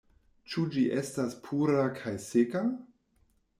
Ĉu ĝi estas pura kaj seka?